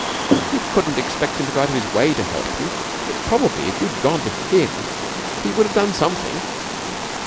'You couldn't expect him to go out of his way to help you; but probably if you had gone to him he would have done something.'